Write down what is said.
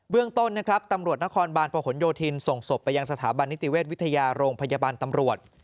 เรื่องต้นนะครับตำรวจนครบาลประหลโยธินส่งศพไปยังสถาบันนิติเวชวิทยาโรงพยาบาลตำรวจ